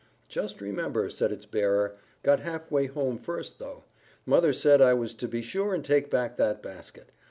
"Just remembered," said its bearer. "Got half way home first, though. Mother said I was to be sure and take back that basket.